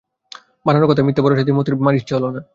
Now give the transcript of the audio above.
বানানো কথায় মিথ্যে ভরসা দিতে মোতির মার ইচ্ছে হল না।